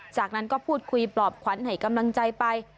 จากนั้นก็พูดคุยปลอบขวัญให้กำลังใจไป